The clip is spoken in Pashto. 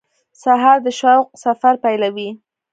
سهار د شوق سفر پیلوي.